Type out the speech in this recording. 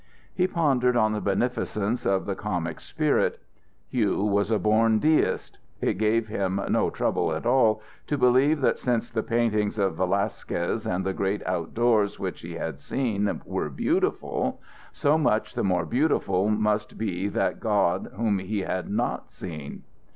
He pondered on the beneficence of the comic spirit. Hugh was a born Deist. It gave him no trouble at all to believe that since the paintings of Velasquez and the great outdoors which he had seen, were beautiful, so much the more beautiful must be that God whom he had not seen.